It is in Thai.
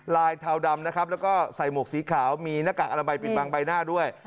เทาดำนะครับแล้วก็ใส่หมวกสีขาวมีหน้ากากอนามัยปิดบังใบหน้าด้วย